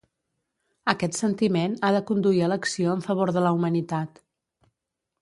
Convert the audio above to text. Aquest sentiment ha de conduir a l'acció en favor de la humanitat.